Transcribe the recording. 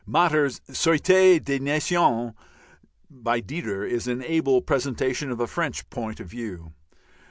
Mater's "Société des Nations" (Didier) is an able presentation of a French point of view.